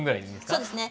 そうですね。